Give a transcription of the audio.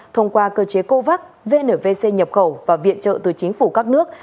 thông qua cơ chế cô vắc vnvc nhập khẩu và viện trợ từ chính phủ các nước